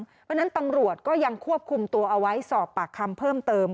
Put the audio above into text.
เพราะฉะนั้นตำรวจก็ยังควบคุมตัวเอาไว้สอบปากคำเพิ่มเติม